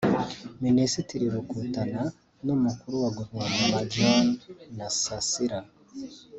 Minisitiri Rukutana n’Umukuru wa Guverinoma John Nasasira